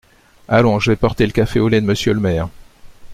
Allons ! je vais porter le café au lait de monsieur le maire !…